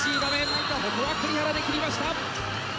ここは栗原で切りました。